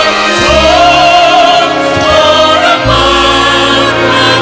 ไม่เร่รวนภาวะผวังคิดกังคัน